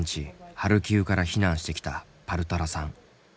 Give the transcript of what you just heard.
ハルキウから避難してきたパルタラさん。